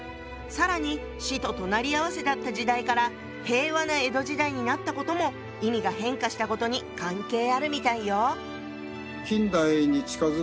更に死と隣り合わせだった時代から平和な江戸時代になったことも意味が変化したことに関係あるみたいよ。